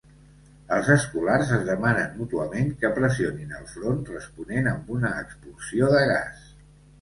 Els escolars es demanen mútuament que pressionin el front, responent amb una expulsió de gas.